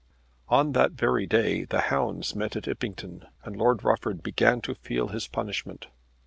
On that very day the hounds met at Impington and Lord Rufford began to feel his punishment.